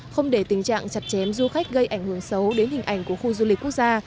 không để tình trạng chặt chém du khách gây ảnh hưởng xấu đến hình ảnh của khu du lịch quốc gia